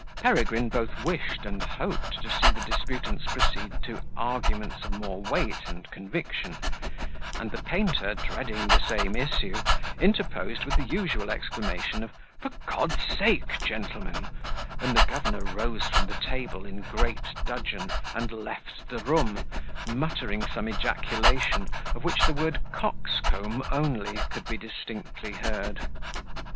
Peregrine both wished and hoped to see the disputants proceed to arguments of more weight and conviction; and the painter, dreading the same issue, interposed with the usual exclamation of "For God's sake, gentlemen;" when the governor rose from table in great dudgeon, and left the room, muttering some ejaculation, of which the word coxcomb only could be distinctly heard.